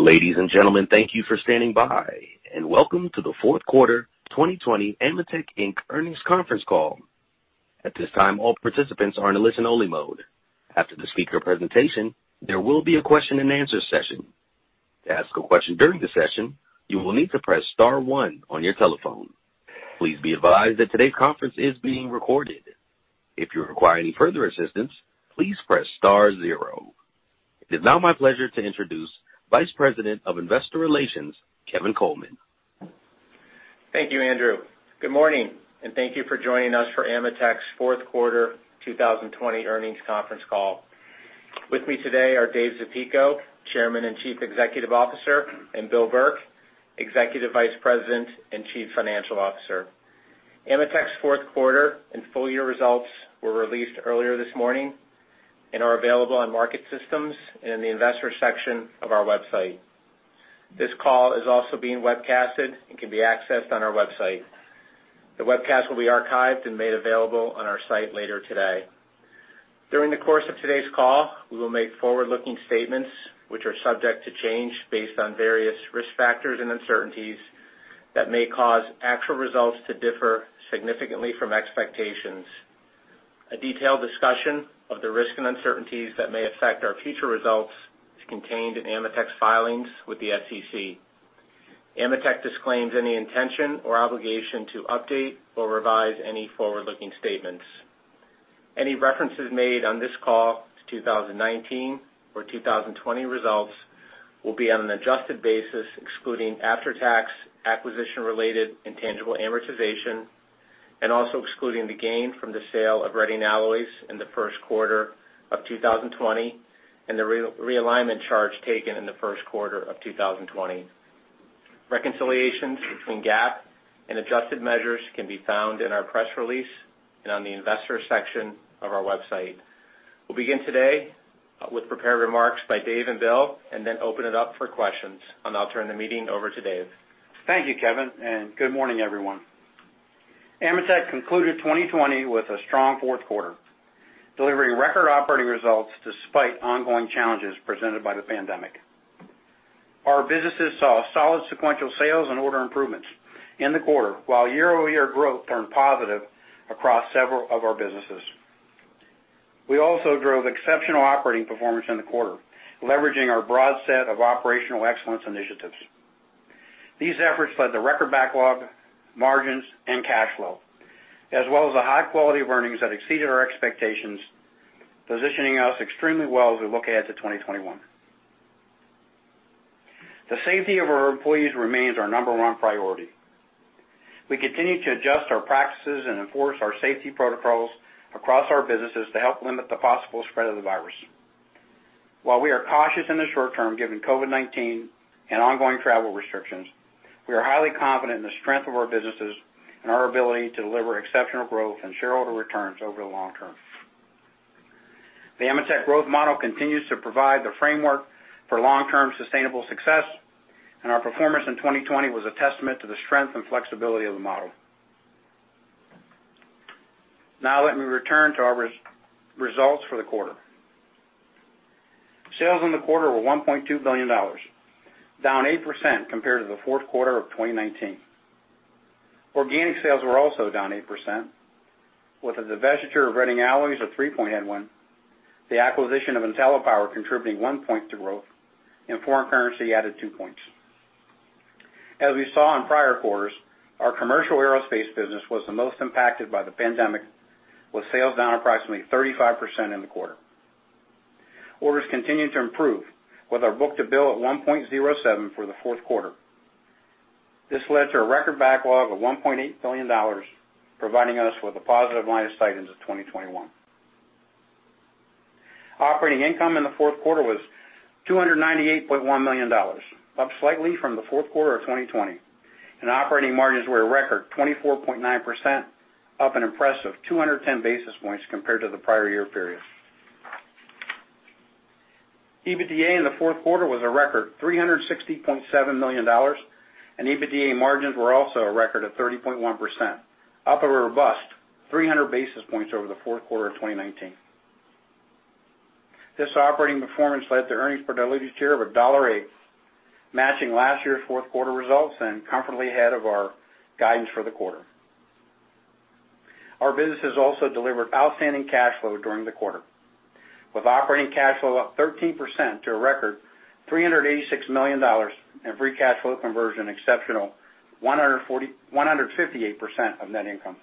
Ladies and gentlemen, thank you for standing by and welcome to the fourth quarter 2020 AMETEK Inc. earnings conference call. At this time, all participants are in a listen-only mode. After the speaker's presentation, there will be a question and answer session. To ask a question during the session, you will need to press star one on your telephone. Please be advised that today's conference is being recorded. If you required further assistance, please press star zero. It is now my pleasure to introduce Vice President of Investor Relations, Kevin Coleman. Thank you, Andrew. Good morning, and thank you for joining us for AMETEK's fourth quarter 2020 earnings conference call. With me today are Dave Zapico, Chairman and Chief Executive Officer, and Bill Burke, Executive Vice President and Chief Financial Officer. AMETEK's fourth quarter and full year results were released earlier this morning and are available on market systems and in the investor section of our website. This call is also being webcasted and can be accessed on our website. The webcast will be archived and made available on our site later today. During the course of today's call, we will make forward-looking statements which are subject to change based on various risk factors and uncertainties that may cause actual results to differ significantly from expectations. A detailed discussion of the risks and uncertainties that may affect our future results is contained in AMETEK's filings with the SEC. AMETEK disclaims any intention or obligation to update or revise any forward-looking statements. Any references made on this call to 2019 or 2020 results will be on an adjusted basis, excluding after-tax acquisition-related intangible amortization, and also excluding the gain from the sale of Reading Alloys in the first quarter of 2020, and the realignment charge taken in the first quarter of 2020. Reconciliations between GAAP and adjusted measures can be found in our press release and on the investor section of our website. We'll begin today with prepared remarks by Dave and Bill, and then open it up for questions. I'll now turn the meeting over to Dave. Thank you, Kevin, good morning, everyone. AMETEK concluded 2020 with a strong fourth quarter, delivering record operating results despite ongoing challenges presented by the pandemic. Our businesses saw solid sequential sales and order improvements in the quarter, while year-over-year growth turned positive across several of our businesses. We also drove exceptional operating performance in the quarter, leveraging our broad set of operational excellence initiatives. These efforts led to record backlog, margins, and cash flow, as well as the high quality of earnings that exceeded our expectations, positioning us extremely well as we look ahead to 2021. The safety of our employees remains our number one priority. We continue to adjust our practices and enforce our safety protocols across our businesses to help limit the possible spread of the virus. While we are cautious in the short term, given COVID-19 and ongoing travel restrictions, we are highly confident in the strength of our businesses and our ability to deliver exceptional growth and shareholder returns over the long term. The AMETEK growth model continues to provide the framework for long-term sustainable success, and our performance in 2020 was a testament to the strength and flexibility of the model. Now let me return to our results for the quarter. Sales in the quarter were $1.2 billion, down 8% compared to the fourth quarter of 2019. Organic sales were also down 8%, with the divestiture of Reading Alloys of 3.1, the acquisition of IntelliPower contributing one point to growth, and foreign currency added two points. As we saw in prior quarters, our commercial aerospace business was the most impacted by the pandemic, with sales down approximately 35% in the quarter. Orders continued to improve, with our book-to-bill at 1.07 for the fourth quarter. This led to a record backlog of $1.8 billion, providing us with a positive line of sight into 2021. Operating income in the fourth quarter was $298.1 million, up slightly from the fourth quarter of 2020. Operating margins were a record 24.9%, up an impressive 210 basis points compared to the prior year period. EBITDA in the fourth quarter was a record $360.7 million, and EBITDA margins were also a record of 30.1%, up a robust 300 basis points over the fourth quarter of 2019. This operating performance led to earnings per diluted share of $1.08, matching last year's fourth quarter results and comfortably ahead of our guidance for the quarter. Our business has also delivered outstanding cash flow during the quarter, with operating cash flow up 13% to a record $386 million, and free cash flow conversion exceptional, 158% of net income.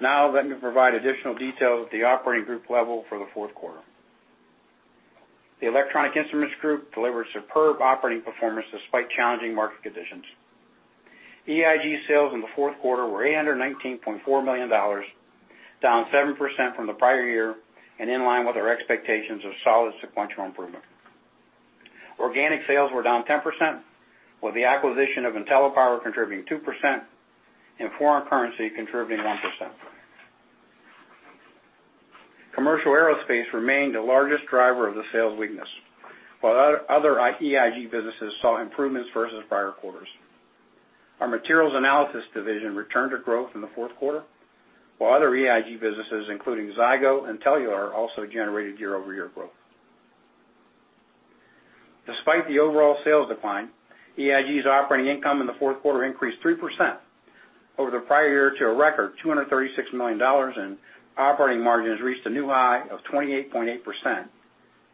Let me provide additional detail at the operating group level for the fourth quarter. The Electronic Instruments Group delivered superb operating performance despite challenging market conditions. EIG sales in the fourth quarter were $819.4 million, down 7% from the prior year, and in line with our expectations of solid sequential improvement. Organic sales were down 10%, with the acquisition of IntelliPower contributing 2%, and foreign currency contributing 1%. Commercial aerospace remained the largest driver of the sales weakness. While other EIG businesses saw improvements versus prior quarters. Our Materials Analysis Division returned to growth in the fourth quarter, while other EIG businesses, including Zygo and Telular, also generated year-over-year growth. Despite the overall sales decline, EIG's operating income in the fourth quarter increased 3% over the prior year to a record $236 million, and operating margins reached a new high of 28.8%,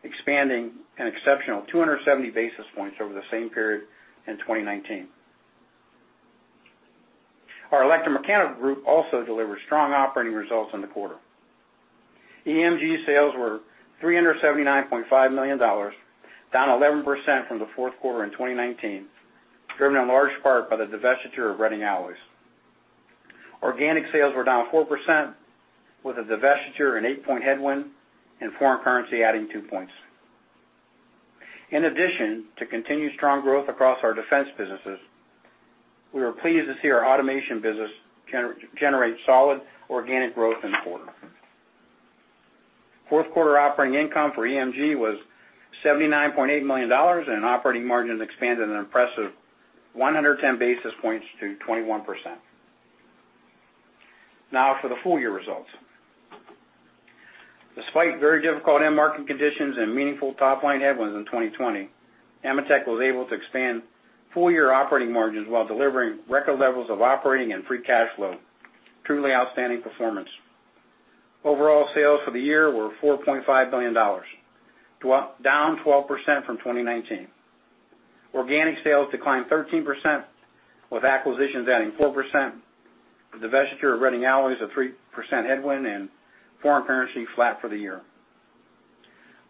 expanding an exceptional 270 basis points over the same period in 2019. Our Electromechanical Group also delivered strong operating results in the quarter. EMG sales were $379.5 million, down 11% from the fourth quarter in 2019, driven in large part by the divestiture of Reading Alloys. Organic sales were down 4%, with the divestiture an eight-point headwind and foreign currency adding two points. In addition to continued strong growth across our defense businesses, we were pleased to see our automation business generate solid organic growth in the quarter. Fourth quarter operating income for EMG was $79.8 million, and operating margins expanded an impressive 110 basis points to 21%. Now for the full year results. Despite very difficult end-market conditions and meaningful top-line headwinds in 2020, AMETEK was able to expand full-year operating margins while delivering record levels of operating and free cash flow. Truly outstanding performance. Overall sales for the year were $4.5 billion, down 12% from 2019. Organic sales declined 13%, with acquisitions adding 4%, the divestiture of Reading Alloys a 3% headwind, and foreign currency flat for the year.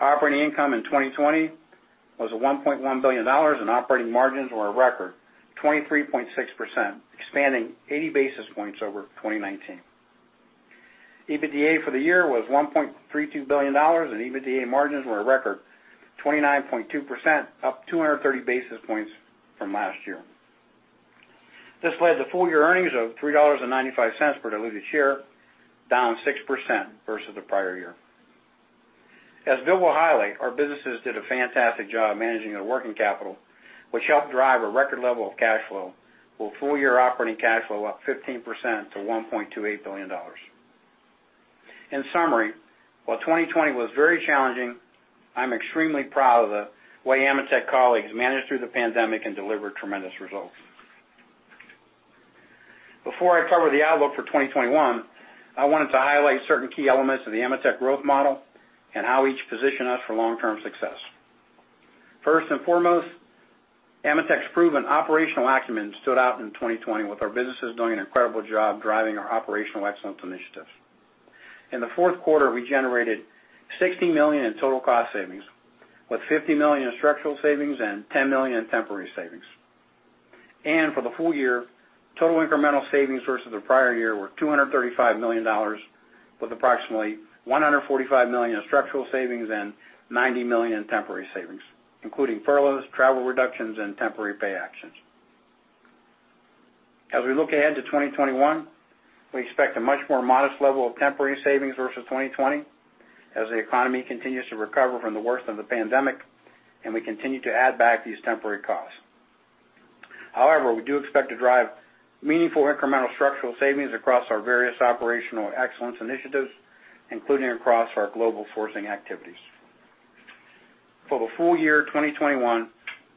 Operating income in 2020 was $1.1 billion, and operating margins were a record 23.6%, expanding 80 basis points over 2019. EBITDA for the year was $1.32 billion, and EBITDA margins were a record 29.2%, up 230 basis points from last year. This led to full-year earnings of $3.95/diluted share, down 6% versus the prior year. As Bill will highlight, our businesses did a fantastic job managing their working capital, which helped drive a record level of cash flow, with full-year operating cash flow up 15% to $1.28 billion. In summary, while 2020 was very challenging, I'm extremely proud of the way AMETEK colleagues managed through the pandemic and delivered tremendous results. Before I cover the outlook for 2021, I wanted to highlight certain key elements of the AMETEK growth model and how each position us for long-term success. First and foremost, AMETEK's proven operational acumen stood out in 2020, with our businesses doing an incredible job driving our operational excellence initiatives. In the fourth quarter, we generated $60 million in total cost savings, with $50 million in structural savings and $10 million in temporary savings. For the full year, total incremental savings versus the prior year were $235 million, with approximately $145 million in structural savings and $90 million in temporary savings, including furloughs, travel reductions, and temporary pay actions. As we look ahead to 2021, we expect a much more modest level of temporary savings versus 2020 as the economy continues to recover from the worst of the pandemic, and we continue to add back these temporary costs. However, we do expect to drive meaningful incremental structural savings across our various Operational Excellence initiatives, including across our global sourcing activities. For the full year 2021,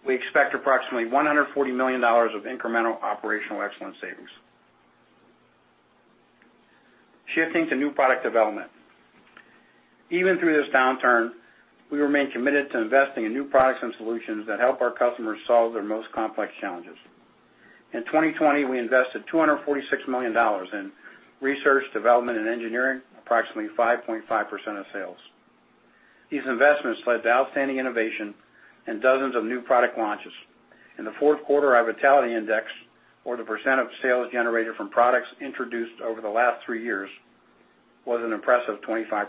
we expect approximately $140 million of incremental Operational Excellence savings. Shifting to new product development. Even through this downturn, we remain committed to investing in new products and solutions that help our customers solve their most complex challenges. In 2020, we invested $246 million in research, development, and engineering, approximately 5.5% of sales. These investments led to outstanding innovation and dozens of new product launches. In the fourth quarter, our vitality index, or the percent of sales generated from products introduced over the last three years, was an impressive 25%.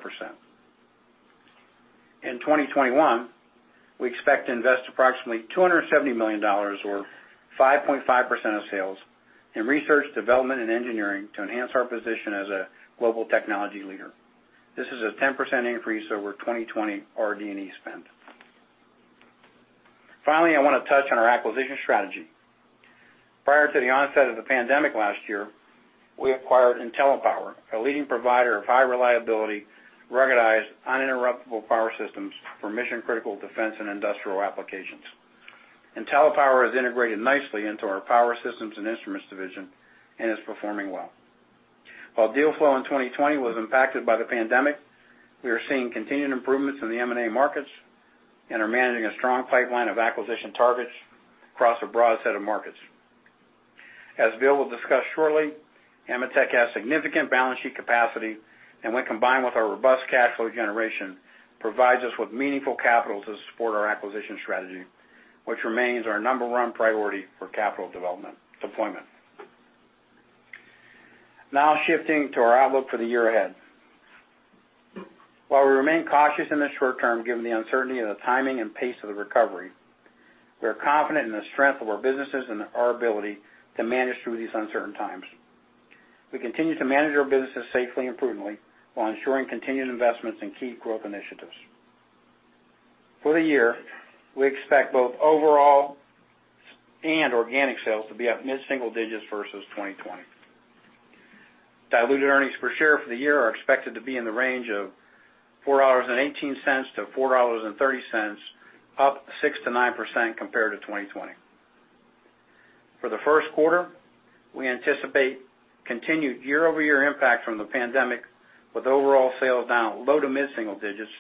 In 2021, we expect to invest approximately $270 million, or 5.5% of sales, in research, development, and engineering to enhance our position as a global technology leader. This is a 10% increase over 2020 RD&E spend. Finally, I want to touch on our acquisition strategy. Prior to the onset of the pandemic last year, we acquired IntelliPower, a leading provider of high-reliability, ruggedized, uninterruptible power systems for mission-critical defense and industrial applications. IntelliPower has integrated nicely into our power systems and instruments division and is performing well. While deal flow in 2020 was impacted by the pandemic, we are seeing continued improvements in the M&A markets and are managing a strong pipeline of acquisition targets across a broad set of markets. As Bill will discuss shortly, AMETEK has significant balance sheet capacity, and when combined with our robust cash flow generation, provides us with meaningful capital to support our acquisition strategy, which remains our number one priority for capital deployment. Now shifting to our outlook for the year ahead. While we remain cautious in the short term, given the uncertainty of the timing and pace of the recovery, we are confident in the strength of our businesses and our ability to manage through these uncertain times. We continue to manage our businesses safely and prudently while ensuring continued investments in key growth initiatives. For the year, we expect both overall and organic sales to be up mid-single digits versus 2020. Diluted earnings per share for the year are expected to be in the range of $4.18-$4.30, up 6%-9% compared to 2020. For the first quarter, we anticipate continued year-over-year impact from the pandemic, with overall sales down low to mid-single digits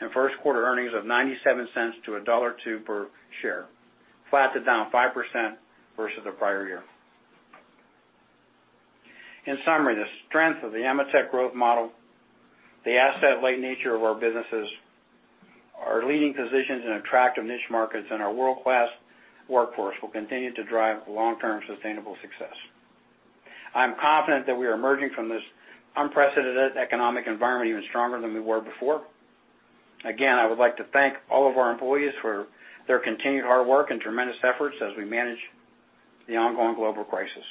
and first quarter earnings of $0.97-$1.02/share, flat to down 5% versus the prior year. In summary, the strength of the AMETEK growth model, the asset-light nature of our businesses, our leading positions in attractive niche markets, and our world-class workforce will continue to drive long-term sustainable success. I'm confident that we are emerging from this unprecedented economic environment even stronger than we were before. Again, I would like to thank all of our employees for their continued hard work and tremendous efforts as we manage the ongoing global crisis.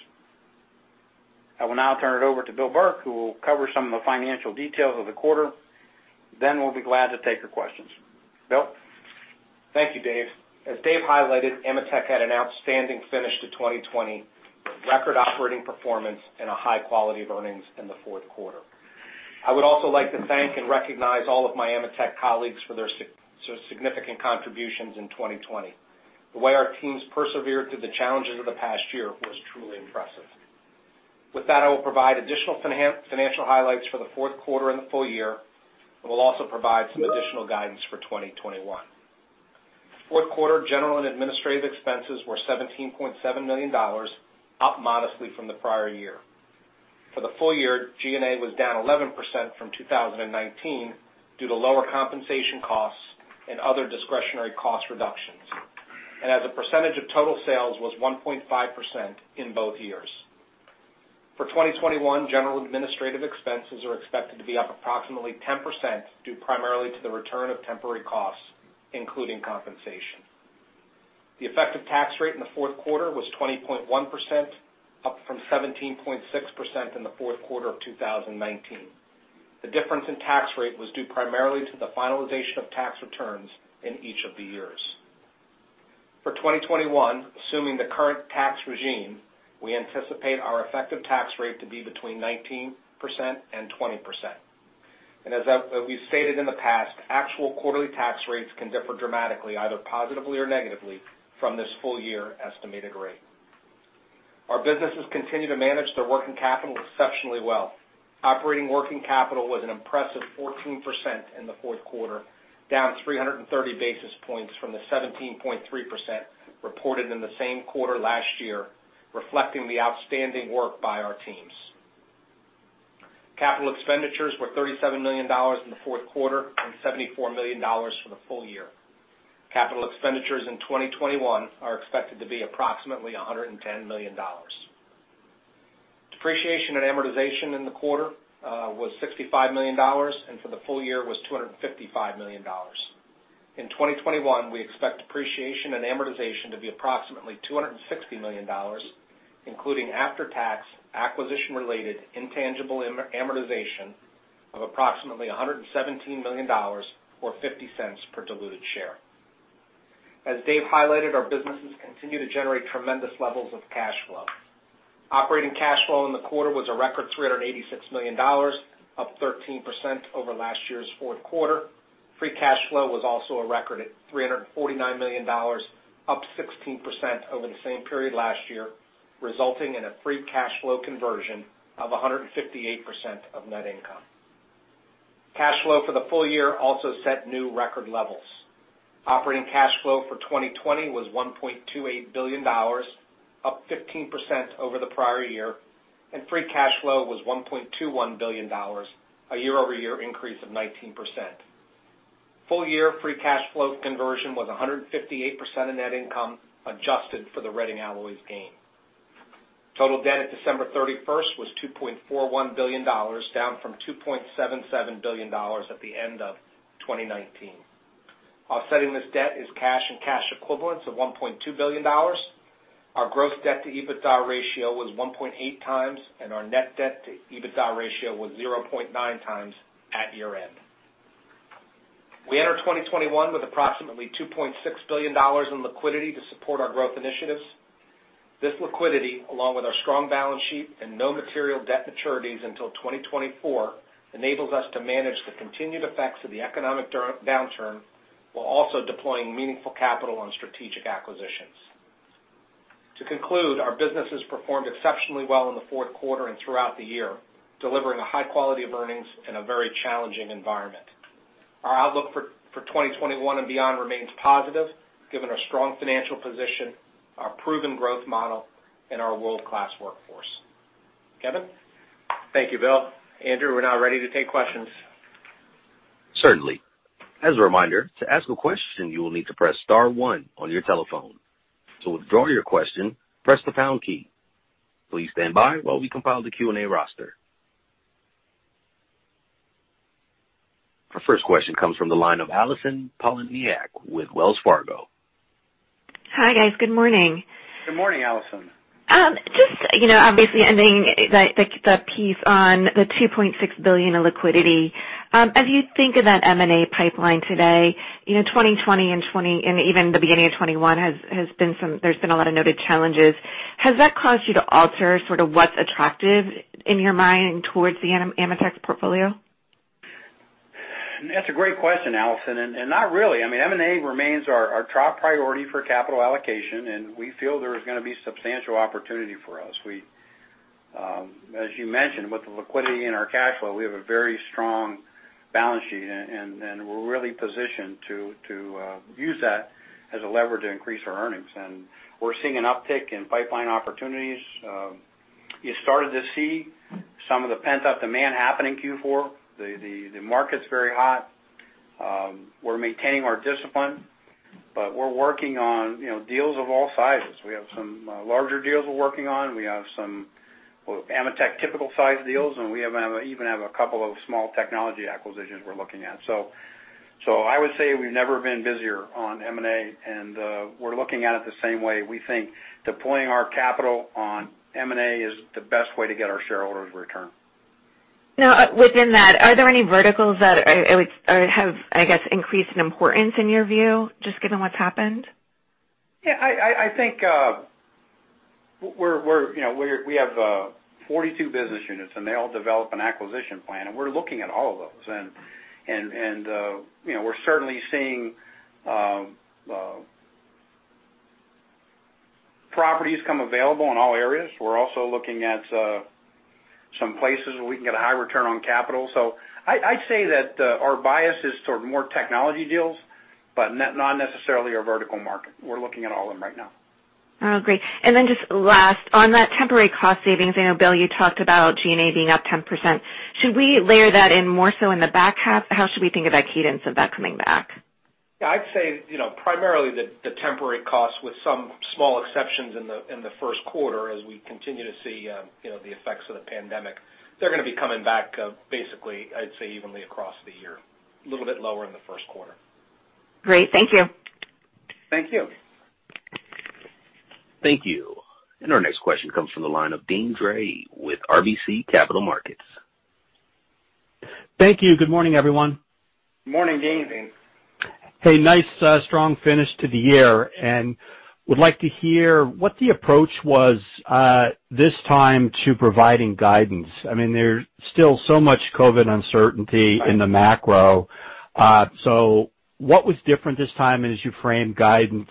I will now turn it over to Bill Burke, who will cover some of the financial details of the quarter. We'll be glad to take your questions. Bill? Thank you, Dave. As Dave highlighted, AMETEK had an outstanding finish to 2020 with record operating performance and a high quality of earnings in the fourth quarter. I would also like to thank and recognize all of my AMETEK colleagues for their significant contributions in 2020. The way our teams persevered through the challenges of the past year was truly impressive. With that, I will provide additional financial highlights for the fourth quarter and the full year, and will also provide some additional guidance for 2021. Fourth quarter general and administrative expenses were $17.7 million, up modestly from the prior year. For the full year, G&A was down 11% from 2019 due to lower compensation costs and other discretionary cost reductions, and as a percentage of total sales was 1.5% in both years. For 2021, general administrative expenses are expected to be up approximately 10%, due primarily to the return of temporary costs, including compensation. The effective tax rate in the fourth quarter was 20.1%, up from 17.6% in the fourth quarter of 2019. The difference in tax rate was due primarily to the finalization of tax returns in each of the years. For 2021, assuming the current tax regime, we anticipate our effective tax rate to be between 19% and 20%. As we've stated in the past, actual quarterly tax rates can differ dramatically, either positively or negatively, from this full-year estimated rate. Our businesses continue to manage their working capital exceptionally well. Operating working capital was an impressive 14% in the fourth quarter, down 330 basis points from the 17.3% reported in the same quarter last year, reflecting the outstanding work by our teams. Capital expenditures were $37 million in the fourth quarter and $74 million for the full year. Capital expenditures in 2021 are expected to be approximately $110 million. Depreciation and amortization in the quarter was $65 million, and for the full year was $255 million. In 2021, we expect depreciation and amortization to be approximately $260 million, including after-tax acquisition-related intangible amortization of approximately $117 million, or $0.50/diluted share. As Dave highlighted, our businesses continue to generate tremendous levels of cash flow. Operating cash flow in the quarter was a record $386 million, up 13% over last year's fourth quarter. Free cash flow was also a record at $349 million, up 16% over the same period last year, resulting in a free cash flow conversion of 158% of net income. Cash flow for the full year also set new record levels. Operating cash flow for 2020 was $1.28 billion, up 15% over the prior year, and free cash flow was $1.21 billion, a year-over-year increase of 19%. Full year free cash flow conversion was 158% of net income, adjusted for the Reading Alloys gain. Total debt at December 31st was $2.41 billion, down from $2.77 billion at the end of 2019. Offsetting this debt is cash and cash equivalents of $1.2 billion. Our gross debt-to-EBITDA ratio was 1.8x, and our net debt-to-EBITDA ratio was 0.9x at year-end. We enter 2021 with approximately $2.6 billion in liquidity to support our growth initiatives. This liquidity, along with our strong balance sheet and no material debt maturities until 2024, enables us to manage the continued effects of the economic downturn, while also deploying meaningful capital on strategic acquisitions. To conclude, our businesses performed exceptionally well in the fourth quarter and throughout the year, delivering a high quality of earnings in a very challenging environment. Our outlook for 2021 and beyond remains positive, given our strong financial position, our proven growth model, and our world-class workforce. Kevin? Thank you, Bill. Andrew, we're now ready to take questions. Certainly. As a reminder to ask a question you will need to press star one on your telephone. To withdraw your question press the pound key. Please stand by while we compile the Q&A roster. Our first question comes from the line of Allison Poliniak with Wells Fargo Hi, guys. Good morning. Good morning, Allison. Obviously ending the piece on the $2.6 billion of liquidity. As you think of that M&A pipeline today, 2020 and even the beginning of 2021, there's been a lot of noted challenges. Has that caused you to alter sort of what's attractive in your mind towards the AMETEK's portfolio? That's a great question, Allison, not really. M&A remains our top priority for capital allocation. We feel there is going to be substantial opportunity for us. As you mentioned, with the liquidity in our cash flow, we have a very strong balance sheet. We're really positioned to use that as a lever to increase our earnings. We're seeing an uptick in pipeline opportunities. You started to see some of the pent-up demand happen in Q4. The market's very hot. We're maintaining our discipline. We're working on deals of all sizes. We have some larger deals we're working on. We have some AMETEK typical size deals. We even have a couple of small technology acquisitions we're looking at. I would say we've never been busier on M&A. We're looking at it the same way. We think deploying our capital on M&A is the best way to get our shareholders return. Within that, are there any verticals that have, I guess, increased in importance in your view, just given what's happened? Yeah, I think we have 42 business units, and they all develop an acquisition plan, and we're looking at all of those. We're certainly seeing properties come available in all areas. We're also looking at some places where we can get a high return on capital. I'd say that our bias is toward more technology deals, but not necessarily a vertical market. We're looking at all of them right now. Oh, great. Just last, on that temporary cost savings, I know, Bill, you talked about G&A being up 10%. Should we layer that in more so in the back half? How should we think of that cadence of that coming back? Yeah, I'd say, primarily the temporary costs with some small exceptions in the first quarter, as we continue to see the effects of the pandemic. They're going to be coming back basically, I'd say evenly across the year, a little bit lower in the first quarter. Great. Thank you. Thank you. Thank you. Our next question comes from the line of Deane Dray with RBC Capital Markets. Thank you. Good morning, everyone. Morning, Deane. Hey, nice strong finish to the year. I would like to hear what the approach was this time to providing guidance. There's still so much COVID uncertainty in the macro. What was different this time as you framed guidance?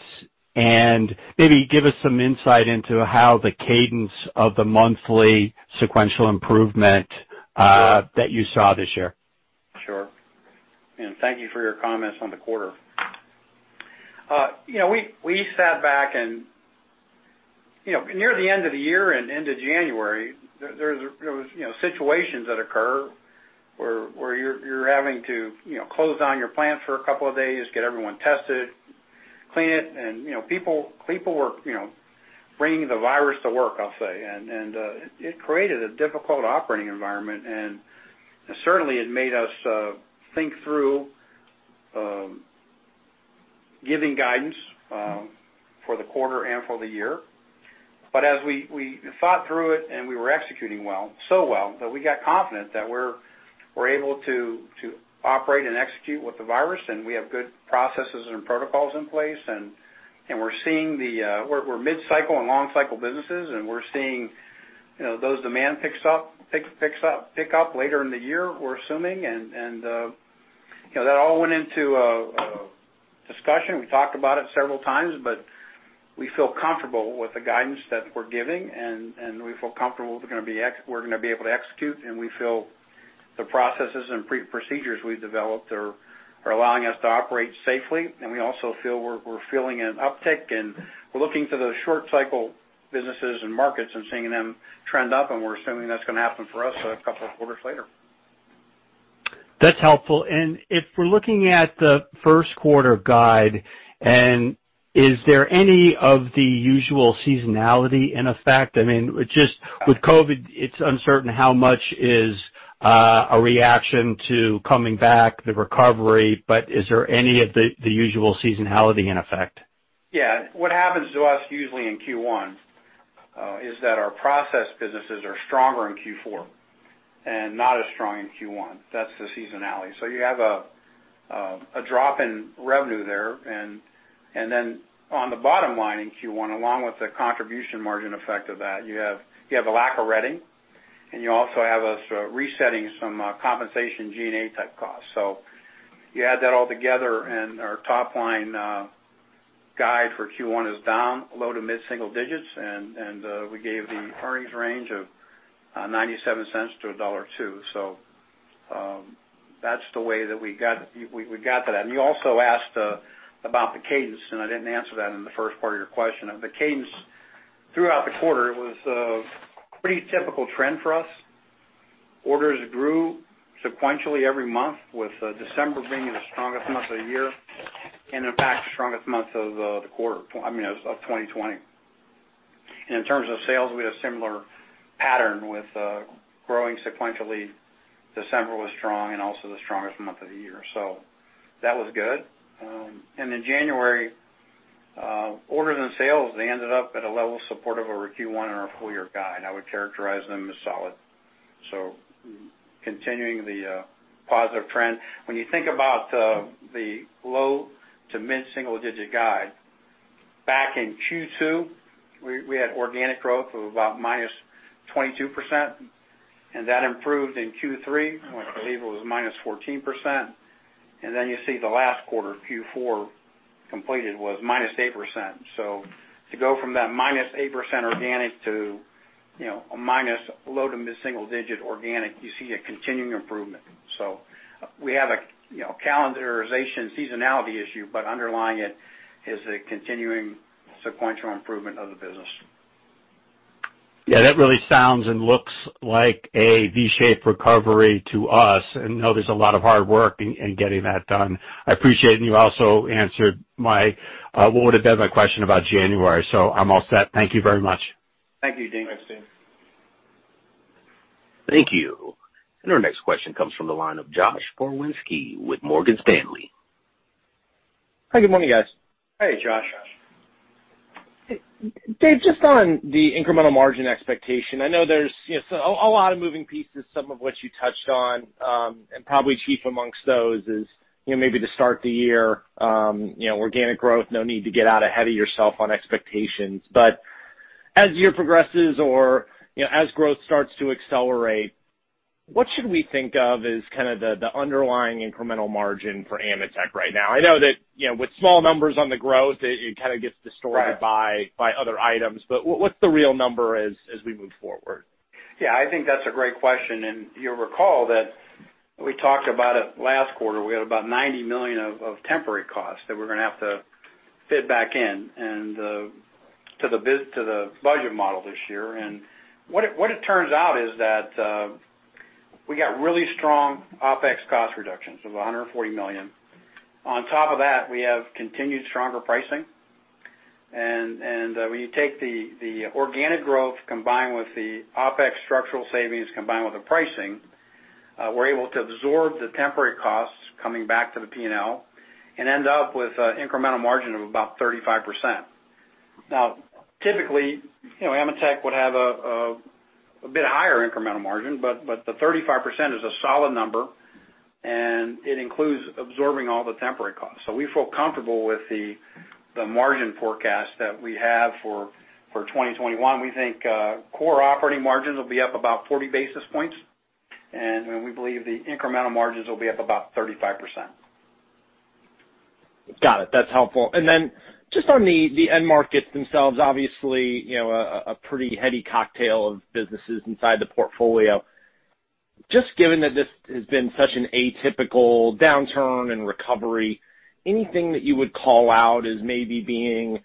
Maybe give us some insight into how the cadence of the monthly sequential improvement that you saw this year. Sure. Thank you for your comments on the quarter. We sat back near the end of the year and into January, there were situations that occur where you're having to close down your plant for a couple of days, get everyone tested, clean it, and people were bringing the virus to work, I'll say. It created a difficult operating environment, and certainly it made us think through giving guidance for the quarter and for the year. As we fought through it and we were executing well, so well that we got confident that we're able to operate and execute with the virus, and we have good processes and protocols in place, and we're mid-cycle and long-cycle businesses, and we're seeing those demand pick up later in the year, we're assuming. That all went into a discussion. We talked about it several times, but we feel comfortable with the guidance that we're giving, and we feel comfortable we're going to be able to execute, and we feel the processes and procedures we've developed are allowing us to operate safely. We also feel we're feeling an uptick, and we're looking to those short cycle businesses and markets and seeing them trend up, and we're assuming that's going to happen for us a couple of quarters later. That's helpful. If we're looking at the first quarter guide, is there any of the usual seasonality in effect? Just with COVID, it's uncertain how much is a reaction to coming back, the recovery, but is there any of the usual seasonality in effect? What happens to us usually in Q1 is that our process businesses are stronger in Q4 and not as strong in Q1. That's the seasonality. You have a drop in revenue there. Then on the bottom line in Q1, along with the contribution margin effect of that, you have a lack of RD&E, and you also have us resetting some compensation G&A type costs. You add that all together, and our top-line guide for Q1 is down low to mid-single digits, and we gave the earnings range of $0.97-$1.02. That's the way that we got to that. You also asked about the cadence, and I didn't answer that in the first part of your question. The cadence throughout the quarter was a pretty typical trend for us. Orders grew sequentially every month, with December being the strongest month of the year, and in fact, the strongest month of 2020. In terms of sales, we had a similar pattern with growing sequentially. December was strong and also the strongest month of the year. That was good. In January, orders and sales, they ended up at a level supportive over Q1 and our full-year guide. I would characterize them as solid, so continuing the positive trend. When you think about the low- to mid-single digit guide, back in Q2, we had organic growth of about minus 22%, and that improved in Q3, which I believe was minus 14%. Then you see the last quarter, Q4 completed was minus 8%. To go from that minus 8% organic to a minus low- to mid-single digit organic, you see a continuing improvement. We have a calendarization seasonality issue, but underlying it is a continuing sequential improvement of the business. Yeah, that really sounds and looks like a V-shaped recovery to us, and know there's a lot of hard work in getting that done. I appreciate, and you also answered what would have been my question about January, so I'm all set. Thank you very much. Thank you, Davidson. Thank you. Our next question comes from the line of Josh Pokrzywinski with Morgan Stanley. Hi, good morning, guys. Hey, Josh. Dave, just on the incremental margin expectation, I know there's a lot of moving pieces, some of which you touched on, and probably chief amongst those is maybe to start the year, organic growth. No need to get out ahead of yourself on expectations. As the year progresses or as growth starts to accelerate, what should we think of as kind of the underlying incremental margin for AMETEK right now? I know that with small numbers on the growth, it kind of gets distorted by other items. What's the real number as we move forward? Yeah, I think that's a great question. You'll recall that we talked about it last quarter. We had about $90 million of temporary costs that we're going to have to fit back in to the budget model this year. What it turns out is that we got really strong OpEx cost reductions of $140 million. On top of that, we have continued stronger pricing. When you take the organic growth combined with the OpEx structural savings combined with the pricing, we're able to absorb the temporary costs coming back to the P&L and end up with an incremental margin of about 35%. Typically, AMETEK would have a bit higher incremental margin, but the 35% is a solid number, and it includes absorbing all the temporary costs. We feel comfortable with the margin forecast that we have for 2021. We think core operating margins will be up about 40 basis points, and we believe the incremental margins will be up about 35%. Got it. That's helpful. Just on the end markets themselves, obviously, a pretty heady cocktail of businesses inside the portfolio. Just given that this has been such an atypical downturn and recovery, anything that you would call out as maybe being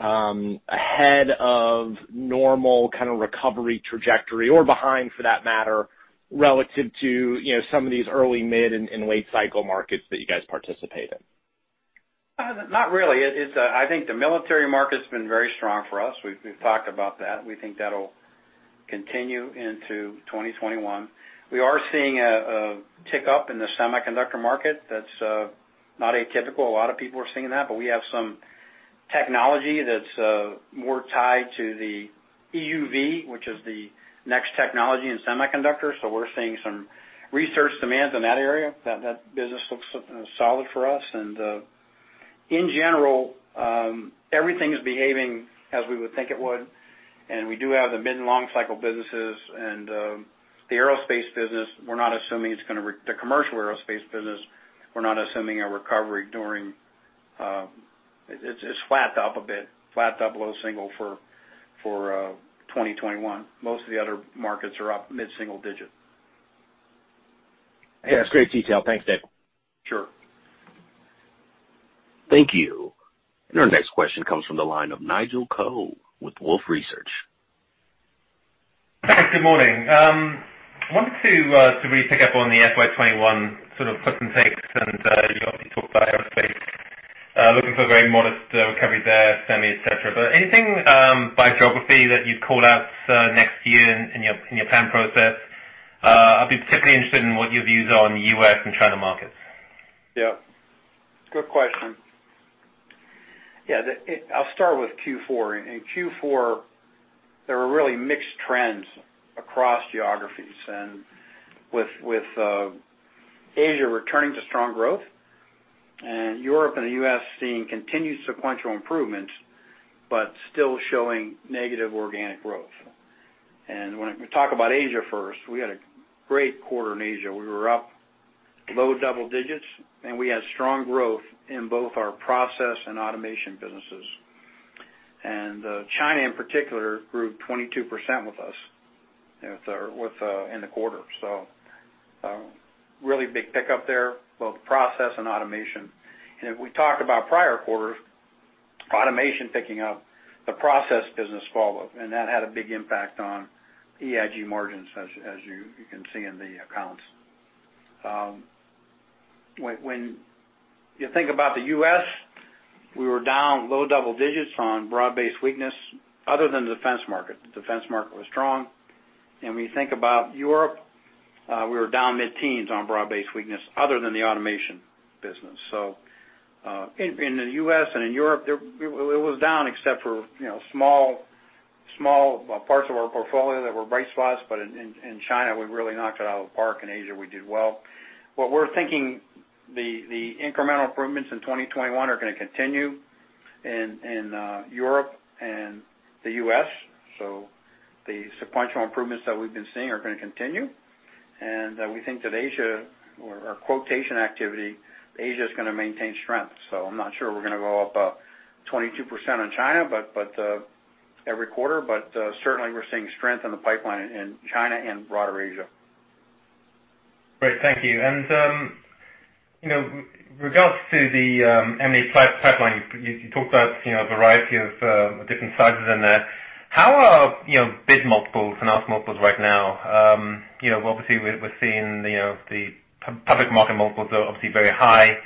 ahead of normal kind of recovery trajectory or behind, for that matter, relative to some of these early, mid, and late cycle markets that you guys participate in? Not really. I think the military market's been very strong for us. We've talked about that. We think that'll continue into 2021. We are seeing a tick up in the semiconductor market. That's not atypical. A lot of people are seeing that, but we have some technology that's more tied to the EUV, which is the next technology in semiconductors. We're seeing some research demands in that area. That business looks solid for us. In general, everything's behaving as we would think it would, and we do have the mid- and long-cycle businesses. The aerospace business where not assuming it's not gonna, the commercial aerospace business, we're not assuming a recovery. It's flat to up a bit. Flat to up low single for 2021. Most of the other markets are up mid-single digit. Yeah, that's great detail. Thanks, Dave. Sure. Thank you. Our next question comes from the line of Nigel Coe with Wolfe Research. Good morning. I wanted to really pick up on the FY 2021 sort of puts and takes, and you obviously talked about aerospace. Looking for a very modest recovery there, semi, et cetera. Anything by geography that you'd call out for next year in your plan process? I'd be particularly interested in what your views are on the U.S. and China markets. Yeah. Good question. Yeah, I'll start with Q4. In Q4, there were really mixed trends across geographies, and with Asia returning to strong growth and Europe and the U.S. seeing continued sequential improvements, but still showing negative organic growth. When we talk about Asia first, we had a great quarter in Asia. We were up low double digits, and we had strong growth in both our process and automation businesses. China, in particular, grew 22% with us in the quarter. Really big pickup there, both process and automation. If we talked about prior quarters, automation picking up, the process business followed, and that had a big impact on EIG margins, as you can see in the accounts. When you think about the U.S., we were down low double digits on broad-based weakness other than the defense market. The defense market was strong. When you think about Europe, we were down mid-teens on broad-based weakness other than the automation business. In the U.S. and in Europe, it was down except for small parts of our portfolio that were bright spots. In China, we really knocked it out of the park. In Asia, we did well. What we're thinking, the incremental improvements in 2021 are going to continue in Europe and the U.S. The sequential improvements that we've been seeing are going to continue. We think that Asia, or our quotation activity, Asia is going to maintain strength. I'm not sure we're going to go up 22% in China every quarter. Certainly, we're seeing strength in the pipeline in China and broader Asia. Great. Thank you. Regards to the M&A pipeline, you talked about a variety of different sizes in there. How are bid multiples, finance multiples right now? Obviously, we're seeing the public market multiples are obviously very high.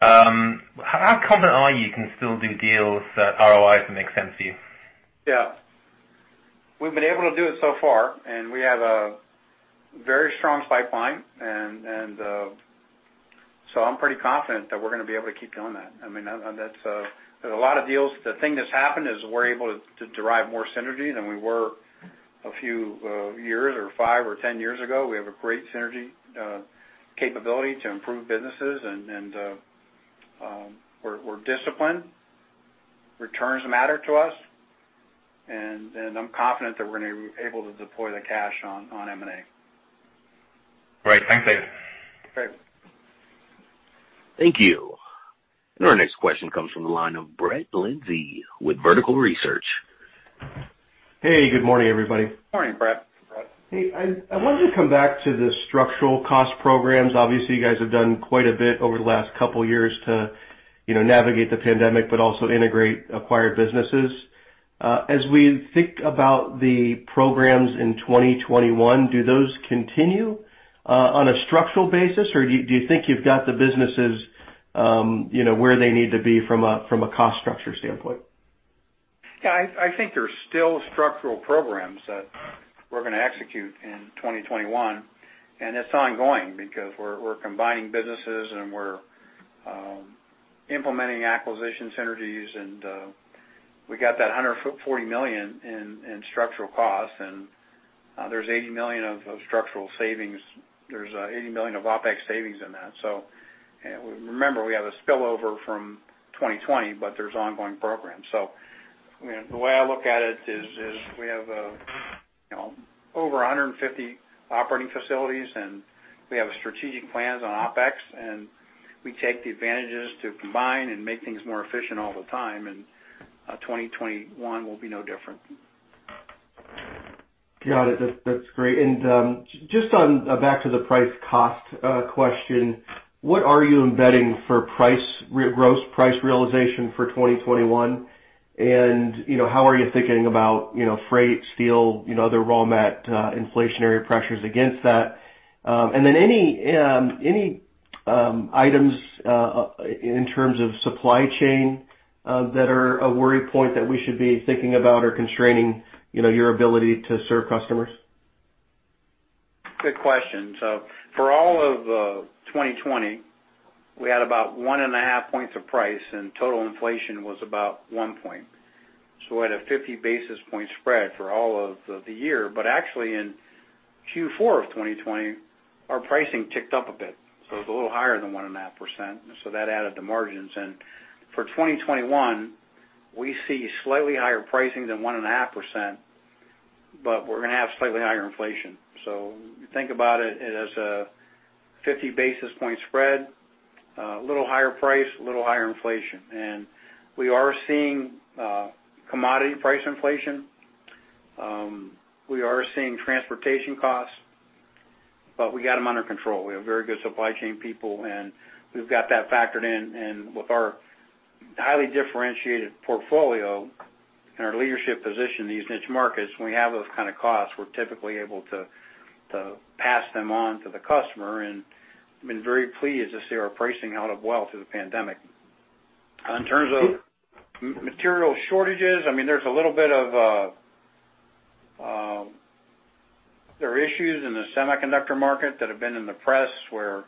How confident are you you can still do deals that ROIs make sense for you? Yeah. We've been able to do it so far, and we have a very strong pipeline. I'm pretty confident that we're going to be able to keep doing that. There's a lot of deals. The thing that's happened is we're able to derive more synergy than we were a few years, or five or 10 years ago. We have a great synergy capability to improve businesses and we're disciplined. Returns matter to us, and I'm confident that we're going to be able to deploy the cash on M&A. Great. Thanks, Dave. Okay. Thank you. Our next question comes from the line of Brett Linzey with Vertical Research. Hey, good morning, everybody. Morning, Brett. Hey, I wanted to come back to the structural cost programs. Obviously, you guys have done quite a bit over the last couple of years to navigate the pandemic, but also integrate acquired businesses. As we think about the programs in 2021, do those continue on a structural basis, or do you think you've got the businesses where they need to be from a cost structure standpoint? I think there's still structural programs that we're going to execute in 2021, and it's ongoing because we're combining businesses and we're implementing acquisition synergies, and we got that $140 million in structural costs, and there's $80 million of structural savings. There's $80 million of OpEx savings in that. Remember, we have a spillover from 2020, but there's ongoing programs. The way I look at it is we have over 150 operating facilities, and we have strategic plans on OpEx, and we take the advantages to combine and make things more efficient all the time, and 2021 will be no different. Got it. That's great. Just on back to the price cost question, what are you embedding for gross price realization for 2021? How are you thinking about freight, steel, other raw mat inflationary pressures against that? Any items in terms of supply chain that are a worry point that we should be thinking about or constraining your ability to serve customers? Good question. For all of 2020, we had about 1.5 points of price, and total inflation was about 1 point. We had a 50 basis point spread for all of the year, but actually in Q4 of 2020, our pricing ticked up a bit. It was a little higher than 1.5%, that added to margins. For 2021, we see slightly higher pricing than 1.5%, but we're going to have slightly higher inflation. If you think about it as a 50 basis point spread, a little higher price, a little higher inflation. We are seeing commodity price inflation. We are seeing transportation costs, but we got them under control. We have very good supply chain people, and we've got that factored in. With our highly differentiated portfolio and our leadership position in these niche markets, when we have those kind of costs, we're typically able to pass them on to the customer. I've been very pleased to see our pricing hold up well through the pandemic. In terms of material shortages, there are issues in the semiconductor market that have been in the press where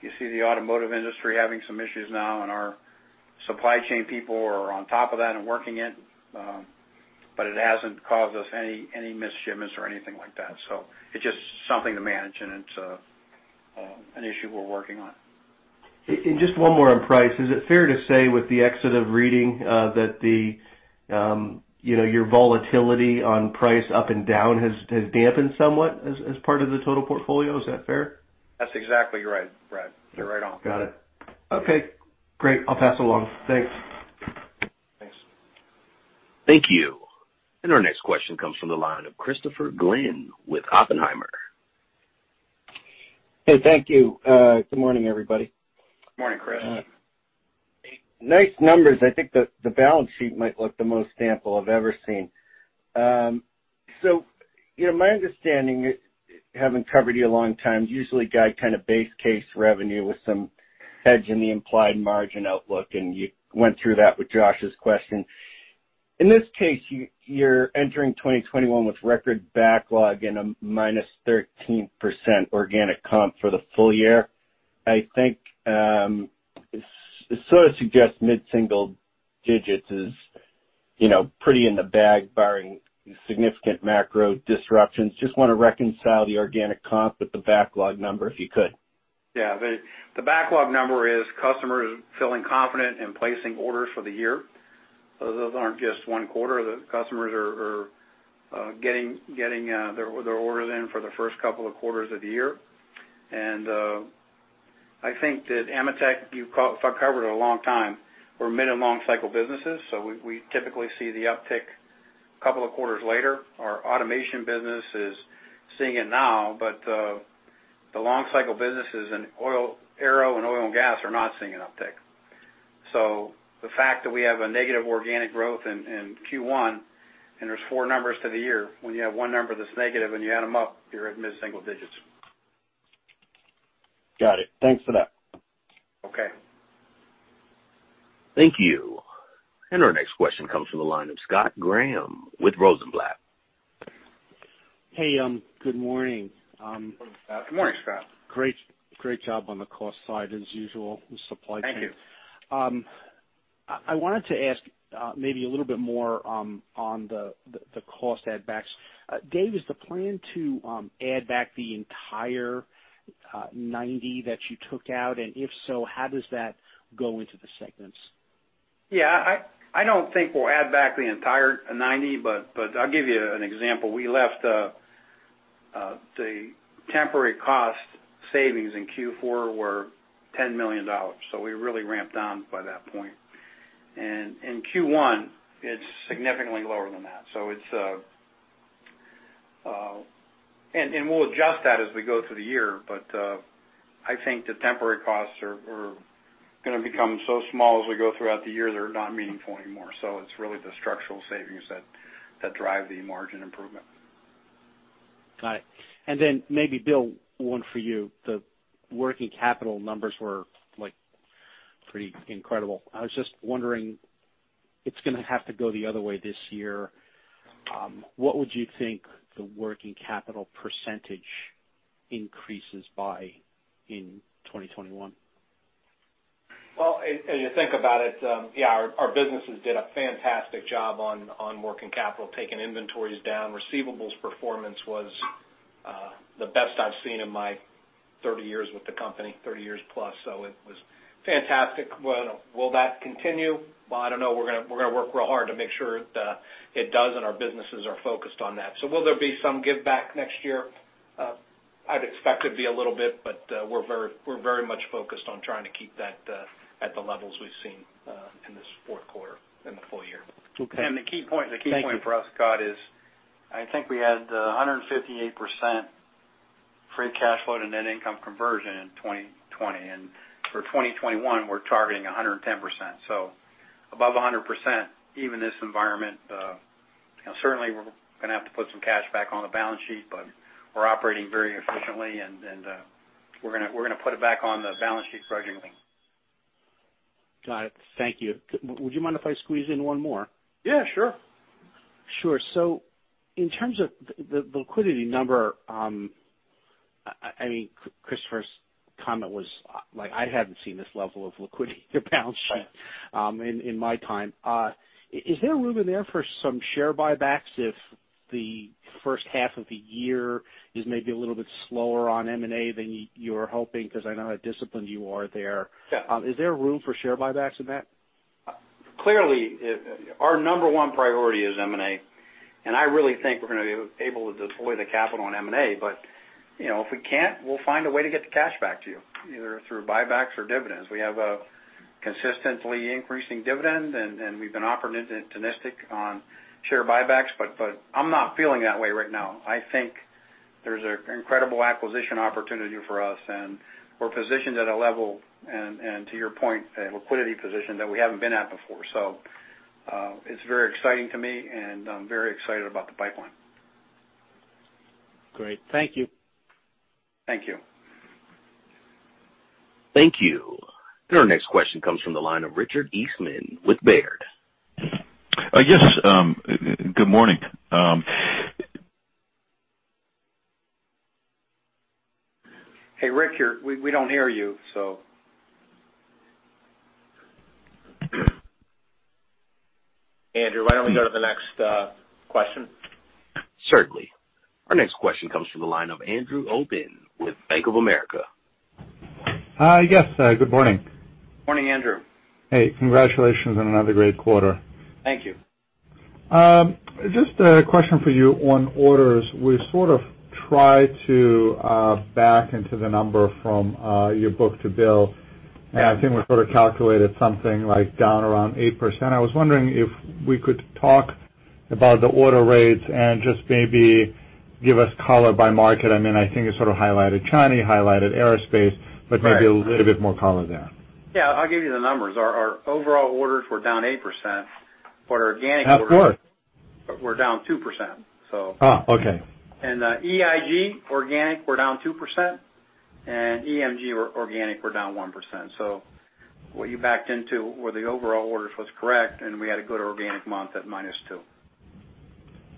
you see the automotive industry having some issues now, and our supply chain people are on top of that and working it, but it hasn't caused us any missed shipments or anything like that. It's just something to manage, and it's an issue we're working on. Just one more on price. Is it fair to say with the exit of Reading that your volatility on price up and down has dampened somewhat as part of the total portfolio? Is that fair? That's exactly right, Brett. You're right on. Got it. Okay, great. I'll pass it along. Thanks. Thanks. Thank you. Our next question comes from the line of Christopher Glynn with Oppenheimer. Hey, thank you. Good morning, everybody. Morning, Chris. Nice numbers. I think the balance sheet might look the most ample I've ever seen. My understanding, having covered you a long time, usually guide kind of base case revenue with some hedge in the implied margin outlook, and you went through that with Josh's question. In this case, you're entering 2021 with record backlog and a -13% organic comp for the full year. I think it sort of suggests mid-single digits is pretty in the bag, barring significant macro disruptions. Just want to reconcile the organic comp with the backlog number, if you could. Yeah. The backlog number is customers feeling confident in placing orders for the year. Those aren't just one quarter. The customers are getting their orders in for the first couple of quarters of the year. I think that AMETEK, if I've covered a long time, we're mid and long cycle businesses, so we typically see the uptick couple of quarters later. Our automation business is seeing it now, the long cycle businesses in aero and oil and gas are not seeing an uptick. The fact that we have a negative organic growth in Q1, and there's 4 numbers to the year, when you have one number that's negative and you add them up, you're at mid-single digits. Got it. Thanks for that. Okay. Thank you. Our next question comes from the line of Scott Graham with Rosenblatt. Hey, good morning. Good morning, Scott. Great job on the cost side as usual with supply chain. Thank you. I wanted to ask maybe a little bit more on the cost add backs. Dave, is the plan to add back the entire $90 million that you took out? And if so, how does that go into the segments? I don't think we'll add back the entire $90 million, but I'll give you an example. We left the temporary cost savings in Q4 were $10 million. We really ramped down by that point. In Q1, it's significantly lower than that. We'll adjust that as we go through the year, but I think the temporary costs are going to become so small as we go throughout the year, they're not meaningful anymore. It's really the structural savings that drive the margin improvement. Got it. Maybe, Bill, one for you. The working capital numbers were pretty incredible. I was just wondering, it's going to have to go the other way this year. What would you think the working capital percentage increases by in 2021? As you think about it, yeah, our businesses did a fantastic job on working capital, taking inventories down. Receivables performance was the best I've seen in my 30 years with the company, 30 years plus. It was fantastic. Will that continue? Well, I don't know. We're going to work real hard to make sure it does, and our businesses are focused on that. Will there be some give back next year? I'd expect there'd be a little bit, but we're very much focused on trying to keep that at the levels we've seen in this fourth quarter in the full year. Okay. Thank you. The key point for us, Scott, is I think we had 158% free cash flow to net income conversion in 2020. For 2021, we're targeting 110%. Above 100% even this environment. Certainly we're going to have to put some cash back on the balance sheet, but we're operating very efficiently and we're going to put it back on the balance sheet gradually. Got it. Thank you. Would you mind if I squeeze in one more? Yeah, sure. Sure. In terms of the liquidity number, Christopher's comment was like, "I haven't seen this level of liquidity in the balance sheet in my time." Is there room in there for some share buybacks if the first half of the year is maybe a little bit slower on M&A than you're hoping? I know how disciplined you are there. Yeah. Is there room for share buybacks in that? Clearly, our number one priority is M&A. I really think we're going to be able to deploy the capital in M&A. If we can't, we'll find a way to get the cash back to you, either through buybacks or dividends. We have a consistently increasing dividend. We've been opportunistic on share buybacks. I'm not feeling that way right now. I think there's an incredible acquisition opportunity for us. We're positioned at a level, to your point, a liquidity position that we haven't been at before. It's very exciting to me. I'm very excited about the pipeline. Great. Thank you. Thank you. Thank you. Our next question comes from the line of Richard Eastman with Baird. Yes. Good morning. Hey, Rick. We don't hear you. Andrew, why don't we go to the next question? Certainly. Our next question comes from the line of Andrew Obin with Bank of America. Yes. Good morning. Morning, Andrew. Hey, congratulations on another great quarter. Thank you. Just a question for you on orders. We sort of try to back into the number from your book-to-bill, and I think we sort of calculated something like down around 8%. I was wondering if we could talk about the order rates and just maybe give us color by market. I think you sort of highlighted China, you highlighted aerospace. Right. Maybe a little bit more color there. Yeah, I'll give you the numbers. Our overall orders were down 8%, but organic orders. Of course. Were down 2%. Oh, okay. EIG organic were down 2%, and EMG organic were down 1%. What you backed into were the overall orders was correct, and we had a good organic month at -2%.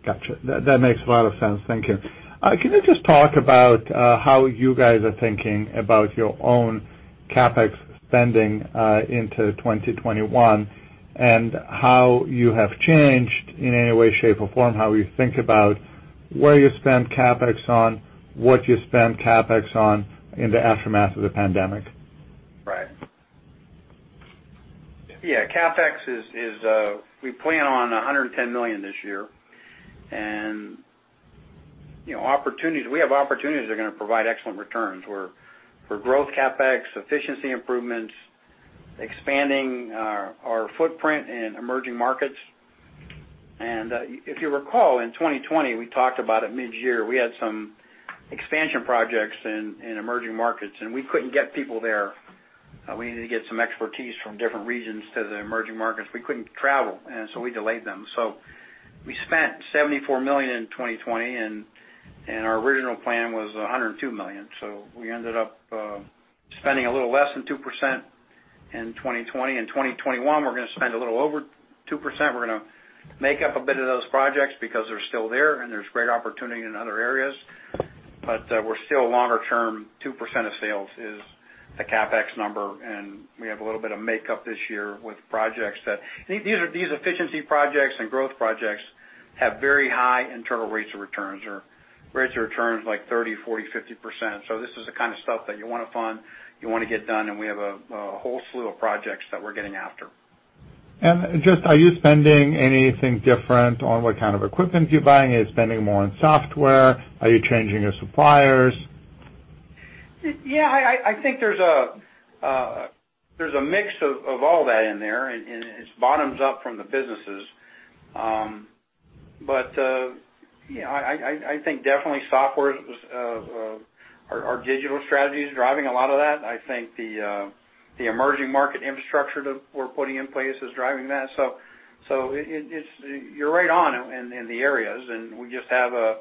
Got you. That makes a lot of sense. Thank you. Can you just talk about how you guys are thinking about your own CapEx spending into 2021, and how you have changed, in any way, shape, or form, how you think about where you spend CapEx on, what you spend CapEx on in the aftermath of the pandemic? Right. Yeah. CapEx is, we plan on $110 million this year. We have opportunities that are going to provide excellent returns for growth CapEx, efficiency improvements, expanding our footprint in emerging markets. If you recall, in 2020, we talked about at mid-year, we had some expansion projects in emerging markets, and we couldn't get people there. We needed to get some expertise from different regions to the emerging markets. We couldn't travel, we delayed them. We spent $74 million in 2020, and our original plan was $102 million. We ended up spending a little less than 2% in 2020. In 2021, we're going to spend a little over 2%. We're going to make up a bit of those projects because they're still there, and there's great opportunity in other areas. We're still longer term, 2% of sales is the CapEx number, and we have a little bit of make up this year with projects. These efficiency projects and growth projects have very high internal rates of returns. Rates of returns like 30%, 40%, 50%. This is the kind of stuff that you want to fund, you want to get done, and we have a whole slew of projects that we're getting after. Just, are you spending anything different on what kind of equipment you're buying? Are you spending more on software? Are you changing your suppliers? I think there's a mix of all that in there, and it's bottoms up from the businesses. I think definitely software, our digital strategy is driving a lot of that. I think the emerging market infrastructure that we're putting in place is driving that. You're right on in the areas, and we just have a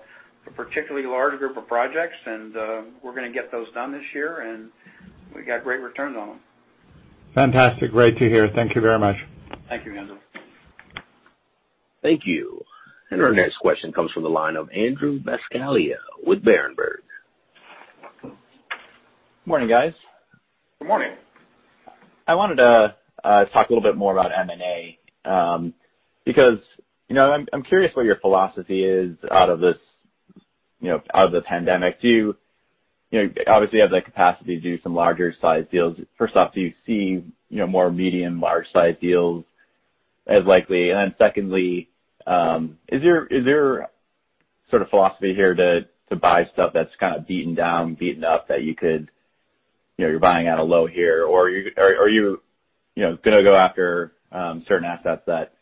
particularly large group of projects, and we're going to get those done this year, and we've got great returns on them. Fantastic. Great to hear. Thank you very much. Thank you, Andrew. Thank you. Our next question comes from the line of Andrew Buscaglia with Berenberg. Morning, guys. Good morning. I wanted to talk a little bit more about M&A, because I'm curious what your philosophy is out of the pandemic. Obviously, you have the capacity to do some larger size deals. First off, do you see more medium, large size deals as likely? Secondly, is there sort of philosophy here to buy stuff that's kind of beaten down, beaten up that you're buying at a low here or are you going to go after certain assets that,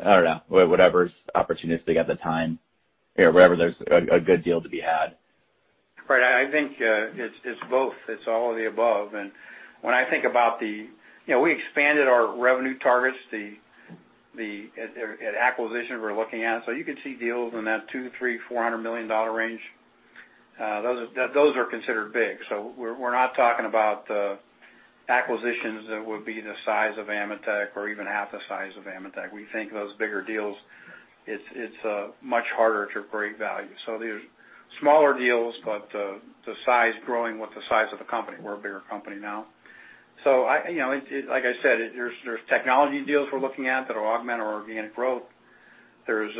I don't know, whatever's opportunistic at the time? Wherever there's a good deal to be had. Right. I think it's both. It's all of the above. When I think about the, we expanded our revenue targets at acquisitions we're looking at. You could see deals in that $200 million, $300 million, $400 million range. Those are considered big. We're not talking about acquisitions that would be the size of AMETEK or even half the size of AMETEK. We think those bigger deals, it's much harder to create value. There's smaller deals, but the size growing with the size of the company. We're a bigger company now. Like I said, there's technology deals we're looking at that will augment our organic growth. There's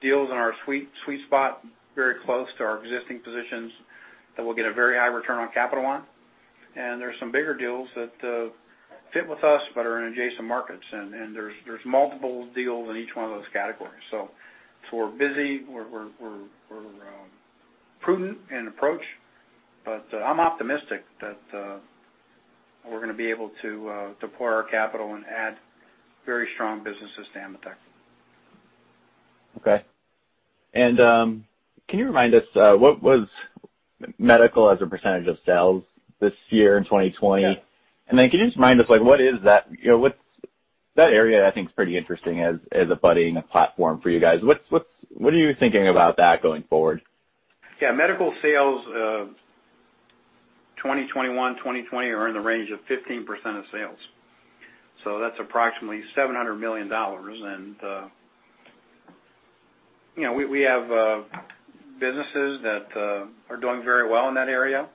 deals in our sweet spot, very close to our existing positions that will get a very high return on capital on. There's some bigger deals that fit with us but are in adjacent markets. There's multiple deals in each one of those categories. We're busy. We're prudent in approach, but I'm optimistic that we're going to be able to deploy our capital and add very strong businesses to AMETEK. Okay. Can you remind us what was medical as a percentage of sales this year in 2020? Yeah. Can you just remind us what that area I think is pretty interesting as a budding platform for you guys? What are you thinking about that going forward? Yeah. Medical sales 2021, 2020 are in the range of 15% of sales. That's approximately $700 million. We have businesses that are doing very well in that area,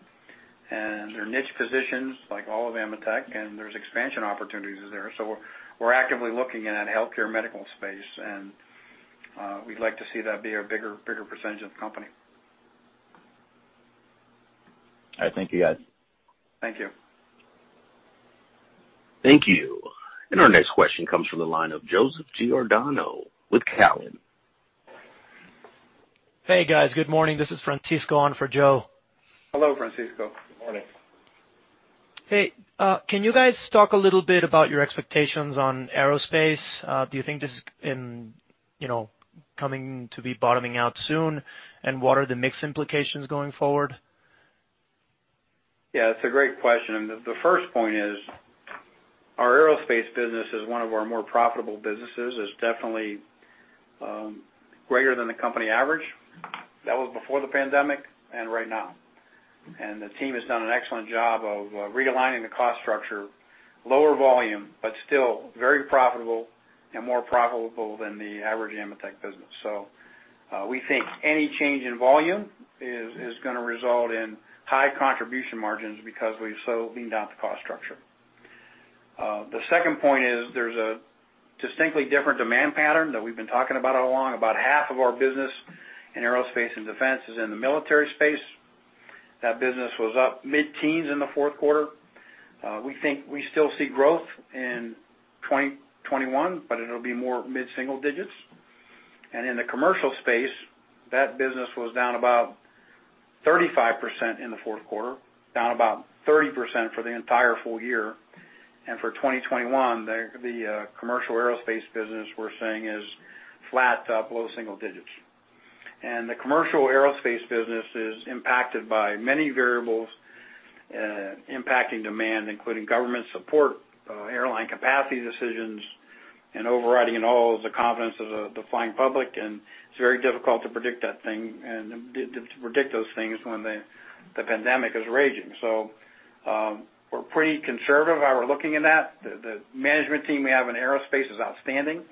and they're niche positions like all of AMETEK, and there's expansion opportunities there. We're actively looking in that healthcare medical space, and we'd like to see that be a bigger percentage of the company. All right. Thank you, guys. Thank you. Thank you. Our next question comes from the line of Joseph Giordano with Cowen. Hey, guys. Good morning. This is Francisco on for Joe. Hello, Francisco. Good morning. Hey, can you guys talk a little bit about your expectations on aerospace? Do you think this is coming to be bottoming out soon? What are the mix implications going forward? Yeah, it's a great question. The first point is our aerospace business is one of our more profitable businesses. It's definitely greater than the company average. That was before the pandemic and right now. The team has done an excellent job of realigning the cost structure. Lower volume, but still very profitable and more profitable than the average AMETEK business. We think any change in volume is going to result in high contribution margins because we've so leaned out the cost structure. The second point is there's a distinctly different demand pattern that we've been talking about all along. About half of our business in aerospace and defense is in the military space. That business was up mid-teens in the fourth quarter. We think we still see growth in 2021, but it'll be more mid-single digits. In the commercial space, that business was down about 35% in the fourth quarter, down about 30% for the entire full year. For 2021, the commercial aerospace business we're seeing is flat to up low single digits. The commercial aerospace business is impacted by many variables impacting demand, including government support, airline capacity decisions, and overriding in all is the confidence of the flying public. It's very difficult to predict those things when the pandemic is raging. We're pretty conservative how we're looking at that. The management team we have in aerospace is outstanding.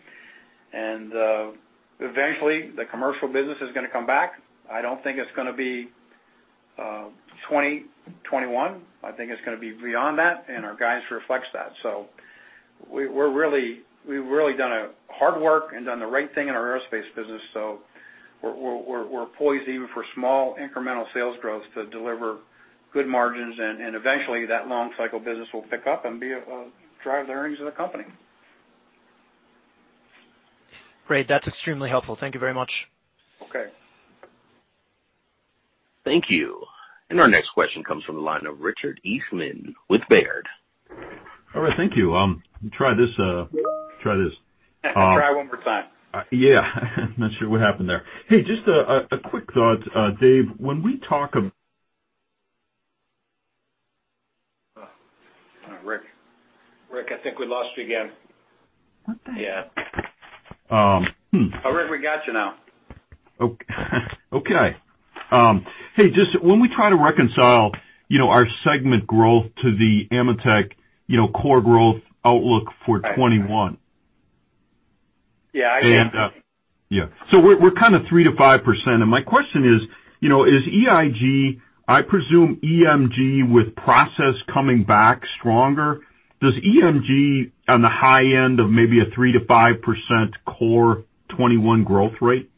Eventually, the commercial business is going to come back. I don't think it's going to be 2021. I think it's going to be beyond that, and our guidance reflects that. We've really done a hard work and done the right thing in our aerospace business. We're poised even for small incremental sales growth to deliver good margins, and eventually, that long cycle business will pick up and drive the earnings of the company. Great. That's extremely helpful. Thank you very much. Okay. Thank you. Our next question comes from the line of Richard Eastman with Baird. All right. Thank you. Try this. Try one more time. Yeah. Not sure what happened there. Hey, just a quick thought. Dave, when we talk. Rick. Rick, I think we lost you again. What the heck? Yeah. Rick, we got you now. Okay. Hey, just when we try to reconcile our segment growth to the AMETEK core growth outlook for 2021. Yeah, I see it. Yeah. We're kind of 3%-5%. My question is, EIG, I presume EMG with process coming back stronger, does EMG on the high end of maybe a 3%-5% core 2021 growth rate?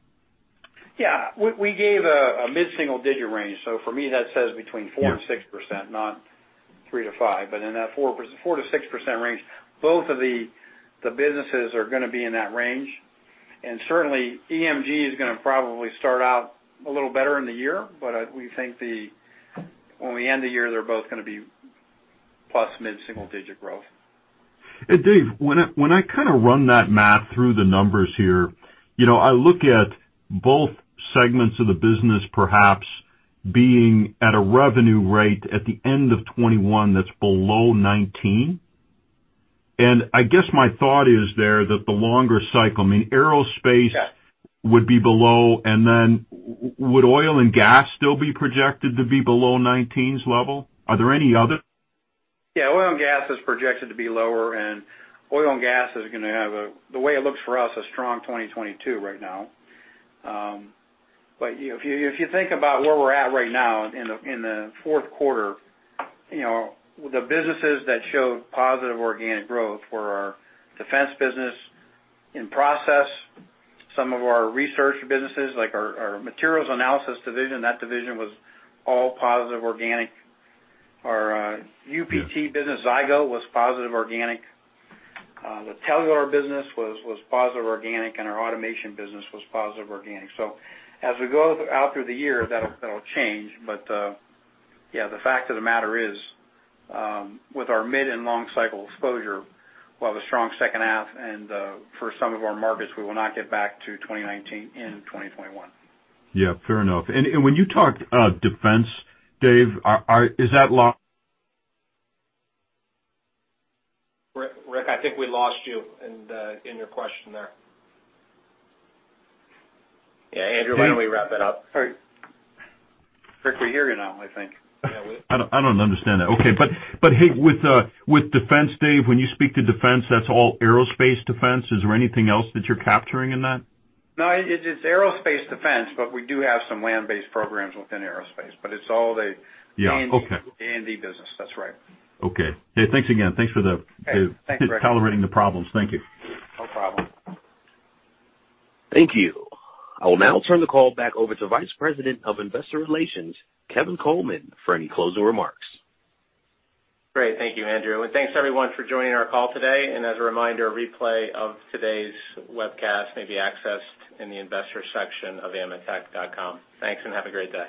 Yeah. We gave a mid-single digit range. For me, that says between 4% and 6%, not 3%-5%. In that 4%-6% range, both of the businesses are going to be in that range. Certainly, EMG is going to probably start out a little better in the year. We think when we end the year, they're both going to be plus mid-single digit growth. Hey, Dave, when I kind of run that math through the numbers here, I look at both segments of the business perhaps being at a revenue rate at the end of 2021 that's below 2019. I guess my thought is there that the longer cycle, aerospace would be below, then would oil and gas still be projected to be below 2019s level? Yeah, oil and gas is projected to be lower, and oil and gas is going to have, the way it looks for us, a strong 2022 right now. If you think about where we're at right now in the fourth quarter, the businesses that showed positive organic growth were our defense business in process. Some of our research businesses, like our materials analysis division, that division was all positive organic. Our UPT business, Zygo, was positive organic. The Telular business was positive organic, and our automation business was positive organic. As we go out through the year, that'll change. The fact of the matter is with our mid and long cycle exposure, we'll have a strong second half, and for some of our markets, we will not get back to 2019 in 2021. Yeah, fair enough. When you talked defense, Dave, is that? Rick, I think we lost you in your question there. Yeah, Andrew, why don't we wrap it up? Rick, we hear you now, I think. I don't understand that. Okay. Hey, with defense, Dave, when you speak to defense, that's all aerospace defense. Is there anything else that you're capturing in that? No, it's aerospace defense, but we do have some land-based programs within aerospace, but it's all the A&D business. That's right. Okay. Hey, thanks again. Okay. Thanks, Rick Thanks for tolerating the problems. Thank you. No problem. Thank you. I will now turn the call back over to Vice President of Investor Relations, Kevin Coleman, for any closing remarks. Great. Thank you, Andrew. Thanks, everyone, for joining our call today. As a reminder, a replay of today's webcast may be accessed in the investor section of ametek.com. Thanks, and have a great day.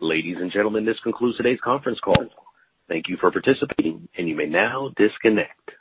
Ladies and gentlemen, this concludes today's conference call. Thank you for participating, and you may now disconnect.